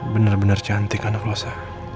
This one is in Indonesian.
bener bener cantik anak losa